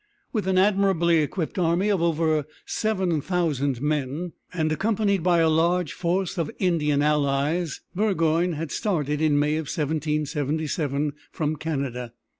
With an admirably equipped army of over seven thousand men, and accompanied by a large force of Indian allies, Burgoyne had started in May, 1777, from Canada.